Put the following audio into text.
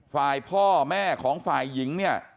ฝ่ายพ่อแม่ของฝ่ายหญิงเนี่ย